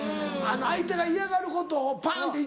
相手が嫌がることをパン！って一撃で。